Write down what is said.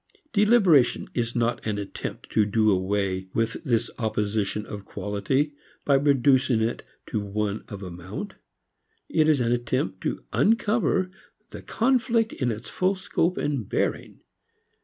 Deliberation is not an attempt to do away with this opposition of quality by reducing it to one of amount. It is an attempt to uncover the conflict in its full scope and bearing.